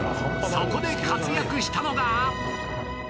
そこで活躍したのが